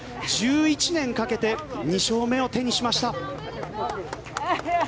１１年かけて２勝目を手にしました。